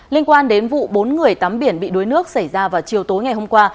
liên quan đến vụ bốn người tắm biển bị đuối nước xảy ra vào chiều tối ngày hôm qua